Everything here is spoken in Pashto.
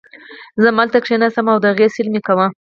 زه همالته کښېناستم او د هغې سیل مې کاوه.